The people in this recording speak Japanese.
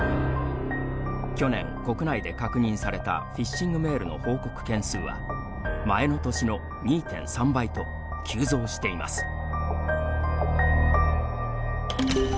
去年、国内で確認されたフィッシングメールの報告件数は前の年の２．３倍と急増しています。